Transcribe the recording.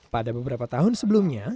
pada beberapa tahun sebelumnya